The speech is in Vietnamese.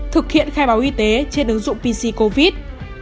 thực hiện khai báo y tế trên ứng dụng pc covid